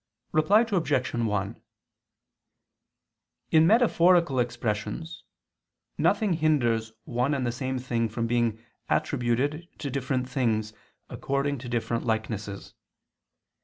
Reply Obj. 1: In metaphorical expressions nothing hinders one and the same thing from being attributed to different things according to different likenesses.